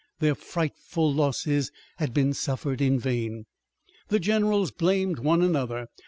Their frightful losses had been suffered in vain. The generals blamed one another.